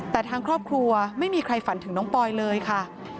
แต่ทางครอบครัวไม่มีใครฝันถึงน้องปอยเลยค่ะ